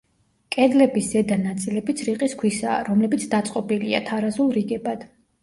კედლების ზედა ნაწილებიც რიყის ქვისაა, რომლებიც დაწყობილია, თარაზულ რიგებად.